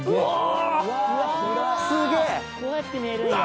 「こうやって見えるんや」